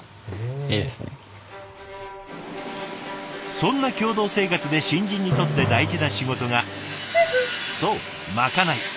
そんな共同生活で新人にとって大事な仕事がそうまかない。